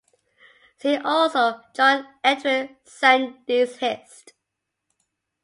See also John Edwin Sandys, Hist.